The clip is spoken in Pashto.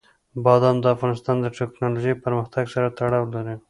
بادام د افغانستان د تکنالوژۍ پرمختګ سره تړاو لري.